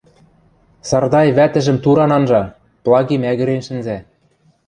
Сардай вӓтӹжӹм туран анжа, Плаги мӓгӹрен шӹнзӓ.